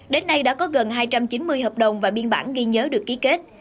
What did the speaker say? đến nay đã có gần hai trăm chín mươi hợp đồng và biên bản ghi nhớ được ký kết